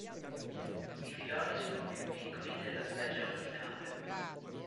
I fiori sono più piccoli della specie nominale.